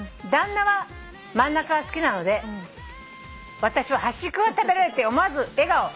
「旦那は真ん中が好きなので私は端っこが食べられて思わず笑顔」